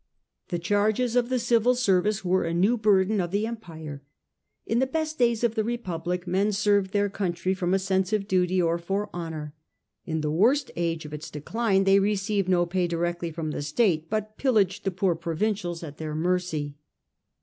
The charges of the civil service were a new burden of the empire. In the best days of the republic men served their country from a sense of duty or i^conoiiiv for honour ; in the worst age of its decline could s^ive they received no pay directly from the state, ' but pillaged the poor provincials at their mercy.